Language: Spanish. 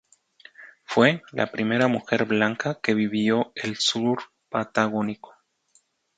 Fue la primera mujer blanca que vivió el sur patagónico.